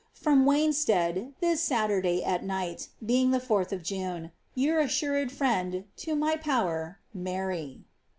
From Wanstead, this Saturday, at night, being the 4th of June. Your assured friend, to my power, "Mabti."